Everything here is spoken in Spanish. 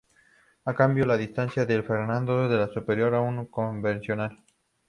A cambio, la distancia de frenado es superior a uno convencional.